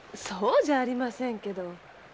そうじゃありませんけど。